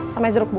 sama ejeruk bu